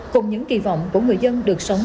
cùng những kỳ vọng của người dân được sống